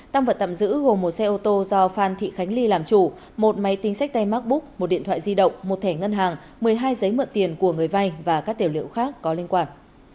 tăng vật tạm giữ gồm một xe ô tô do phan thị khánh ly làm chủ một máy tính sách tay macbook một điện thoại di động một thẻ ngân hàng một mươi hai giấy mượn tiền của người vay và các tiểu liệu khác có liên quan